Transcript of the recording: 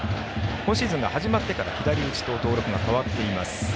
今シーズンが始まってから登録が左打ちと変わっています。